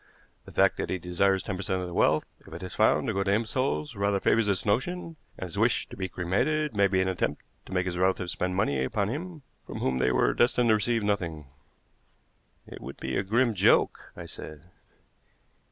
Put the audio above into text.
The fact that he desires ten per cent. of the wealth, if it is found, to go to imbeciles rather favors this notion; and his wish to be cremated may be an attempt to make his relatives spend money upon him from whom they were destined to receive nothing." "It would be a grim joke," I said.